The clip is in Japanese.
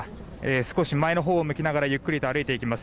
少し前のほうを向きながらゆっくりと歩いていきます。